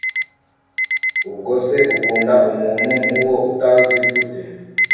Ubwo se ukunda umuntu nkuwo utazi gute